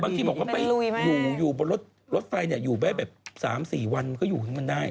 บางทีบอกเขาไปอยู่บนรถไฟเนี่ยอยู่ไว้แบบ๓๔วันก็อยู่ขึ้นมันได้